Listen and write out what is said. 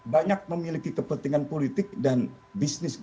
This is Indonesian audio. banyak memiliki kepentingan politik dan bisnis